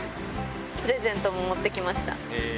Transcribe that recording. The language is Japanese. プレゼントも持ってきました。